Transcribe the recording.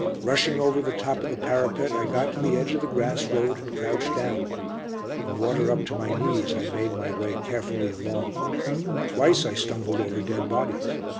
Rushing over the top of the parapet, I got to the edge of the grass road and crouched down. The water up to my knees, I made my way carefully along. Twice I stumbled over dead bodies.